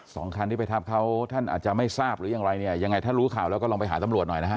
สองคันที่ไปทับเขาท่านอาจจะไม่ทราบหรือยังไรเนี่ยยังไงถ้ารู้ข่าวแล้วก็ลองไปหาตำรวจหน่อยนะฮะ